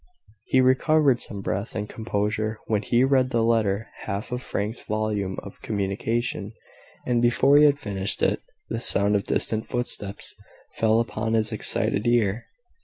He recovered some breath and composure when he read the latter half of Frank's volume of communication, and, before he had finished it, the sound of distant footsteps fell upon his excited ear.